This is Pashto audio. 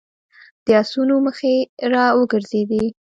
د آسونو مخې را وګرځېدې.